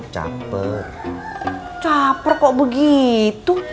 caper kok begitu